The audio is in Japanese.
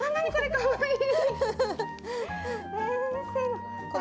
かわいい。